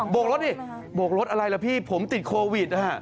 บกรถดิบกรถอะไรละพี่ผมติดโควิด